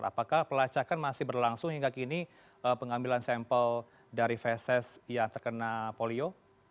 apakah pelacakan masih berlangsung hingga kini pengambilan sampel dari veses yang terkena polio